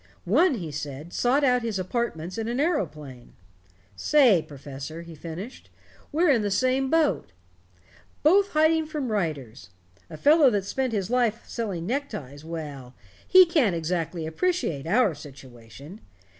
One, he said, sought out his apartments in an aeroplane. "Say, Professor," he finished, "we're in the same boat. Both hiding from writers. A fellow that's spent his life selling neckties well, he can't exactly appreciate our situation.